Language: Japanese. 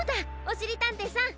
おしりたんていさん！